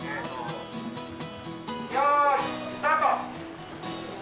ようい、スタート。